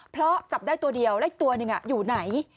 เพราะจับได้ตัวเดียวและอีกตัวหนึ่งอยู่ไหน